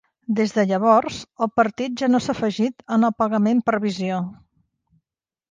Des de llavors, el partit ja no s'ha afegit en el pagament per visió.